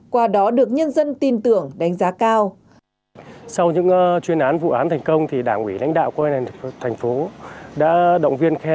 qua đó được nhân dân tin tưởng đánh giá cao